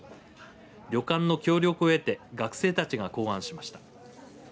旅館の協力を得て学生たちが考案しました。